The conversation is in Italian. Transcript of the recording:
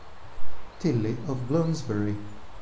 Tilly of Bloomsbury